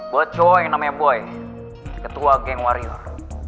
gue cowok yang namanya boy ketua geng warior